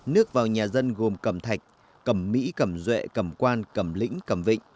nước vào nhà dân gồm cẩm thạch cẩm mỹ cẩm duệ cẩm quan cẩm lĩnh cẩm vịnh